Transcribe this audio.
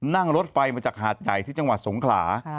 นั่งรถไฟมาจากหาดใหญ่ที่จังหวัดสงขลา